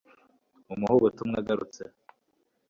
Mumuhe ubutumwa agarutse